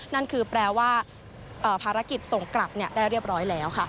นั่นคือแปลว่าภารกิจส่งกลับได้เรียบร้อยแล้วค่ะ